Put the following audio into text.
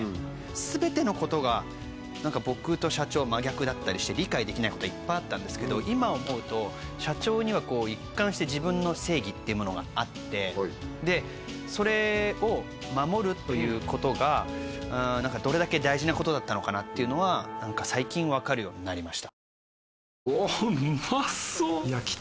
すべてのことが何か僕と社長は真逆だったりして理解できないことはいっぱいあったんですけど今思うと社長には一貫して自分の正義ってものがあってでそれを守るということが何かどれだけ大事なことだったのかなっていうのは何か最近分かるようになりました